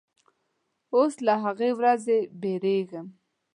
اوس له هغې ورځې بیریږم